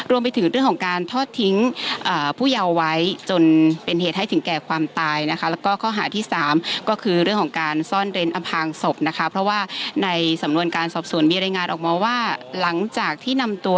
รวมไปถึงเรื่องของการทอดทิ้งเอ่อผู้เยาไว้จนเป็นเหตุให้ถึงแก่ความตายนะคะ